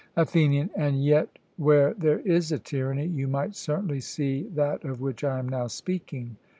ATHENIAN: And yet, where there is a tyranny, you might certainly see that of which I am now speaking.